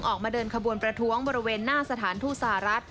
ออกมาเดินขบวนประท้วงบริเวณหน้าสถานทูตสหรัฐ